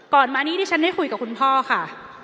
ก่อนมาอันนี้ดิฉันได้คุยกับคุณพ่อค่ะ